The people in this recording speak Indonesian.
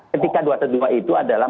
ketika dua ratus dua belas itu adalah